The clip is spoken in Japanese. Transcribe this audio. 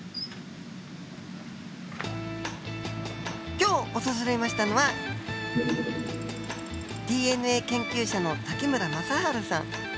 今日訪れましたのはＤＮＡ研究者の武村政春さん。